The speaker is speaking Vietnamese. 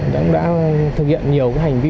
đã thực hiện nhiều hành vi